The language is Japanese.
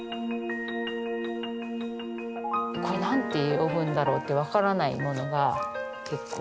これ何て呼ぶんだろうって分からないものが結構。